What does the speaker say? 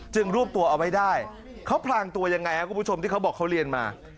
รวบตัวเอาไว้ได้เขาพลางตัวยังไงครับคุณผู้ชมที่เขาบอกเขาเรียนมา